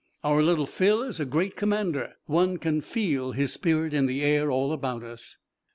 Our Little Phil is a great commander. One can feel his spirit in the air all about us."